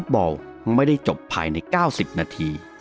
สวัสดีครับผม